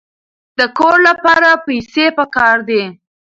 د کور لپاره پیسې پکار دي.